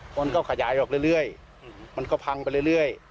คนก็ขยายออกเรื่อยมันก็พังไปเรื่อย